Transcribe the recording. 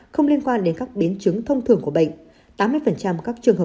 không liên quan đến các biến chứng thông thường của bệnh